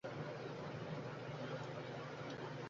বেড়াতে যেতে চাও?